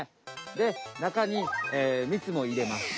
でなかにみつもいれます。